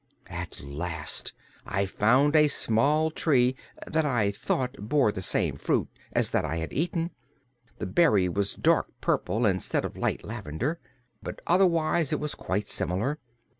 "At last I found a small tree that I thought bore the same fruit as that I had eaten. The berry was dark purple instead of light lavender, but otherwise it was quite similar.